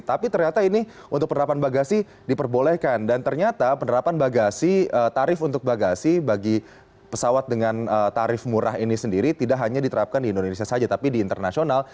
tapi ternyata ini untuk penerapan bagasi diperbolehkan dan ternyata penerapan bagasi tarif untuk bagasi bagi pesawat dengan tarif murah ini sendiri tidak hanya diterapkan di indonesia saja tapi di internasional